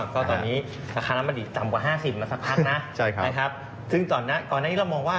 ก็ตอนนี้ราคาน้ำมันดิต่ำกว่า๕๐มาสักพักนะซึ่งก่อนหน้านี้เรามองว่า